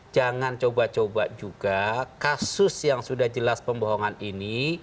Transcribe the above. jangan coba coba juga kasus yang sudah jelas pembohongan ini